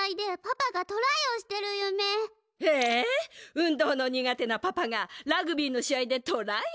運動の苦手なパパがラグビーのし合でトライ？